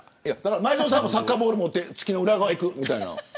前園さんもサッカーボール持って月の裏側に行くみたいな。